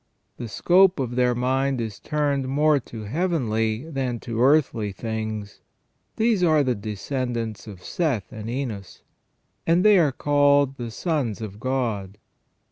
The scope of their mind is turned more to heavenly than to earthly things. These are the descendants of Seth and Enos, and they are called " the sons of God